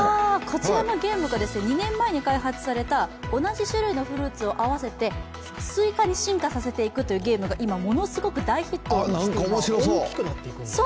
こちらのゲームが２年前に開発された同じ種類のフルーツを合わせてスイカに進化させていくというゲームが今ものすごく大ヒットしてるんです。